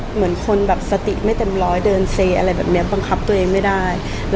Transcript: เหมือนคนแบบสติไม่เต็มร้อยเดินเซอะไรแบบนี้บังคับตัวเองไม่ได้